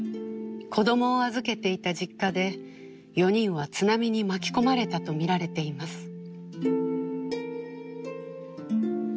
子どもを預けていた実家で４人は津波に巻き込まれたとみられています。